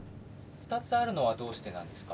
２つあるのはどうしてなんですか？